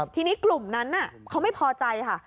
ทีนี้กลุ่มนั้นเขาไม่พอใจค่ะ